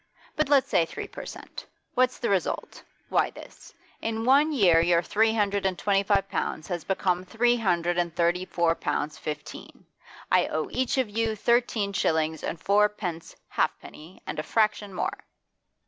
But let's say three per cent. What's the result? Why, this: in one year your three hundred and twenty five pounds has become three hundred and thirty four pounds fifteen; I owe each of you thirteen shillings and fourpence halfpenny, and a fraction more."